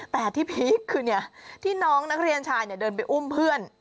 แต่ที่พีคคือที่น้องนักเรียนชายเดินไปอุ้มเพื่อน